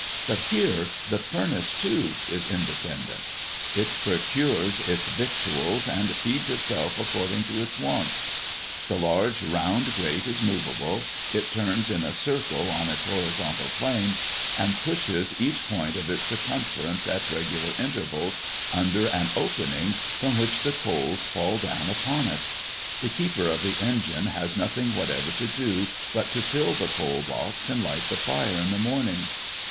But here the furnace, too, is independent: it procures its victuals, and feeds itself according to its wants. The large round grate is moveable; it turns in a circle on its horizontal plane, and pushes each point of its circumference at regular intervals, under an opening from which the coals fall down upon it. The keeper of the engine has nothing whatever to do but to fill the coal box and light the fire in the morning.